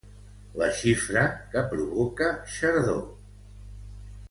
La xifra que provoca xardor.